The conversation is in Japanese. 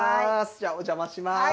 じゃあ、お邪魔します。